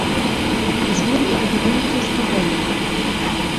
Es wurde ihre berühmteste Rolle.